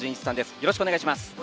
よろしくお願いします。